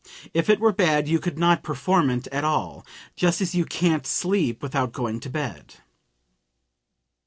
If it were bad you could not perform it at all; just as you can't sleep without going to bed!")